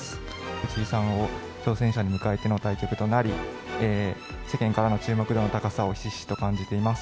藤井さんを挑戦者に迎えての対局となり、世間からの注目度の高さをひしひしと感じています。